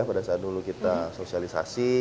pada saat dulu kita sosialisasi